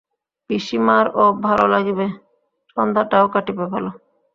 পিসিমারও ভালো লাগিবে, সন্ধ্যাটাও কাটিবে ভালো।